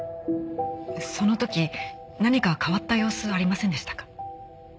その時何か変わった様子ありませんでしたか？